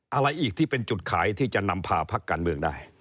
อะไรอีกที่เป็นจุดขายที่จะนำพาพักการเมืองได้